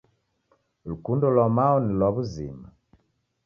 Lukundo lwa mao ni lwa wuzima.